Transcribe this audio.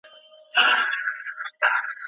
که روزنه سوې وي نو بې نظمي نه پاته کېږي.